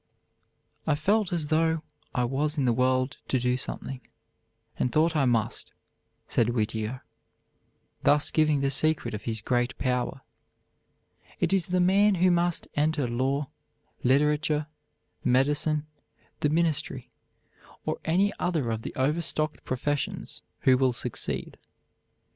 "I felt that I was in the world to do something, and thought I must," said Whittier, thus giving the secret of his great power. It is the man who must enter law, literature, medicine, the ministry, or any other of the overstocked professions, who will succeed.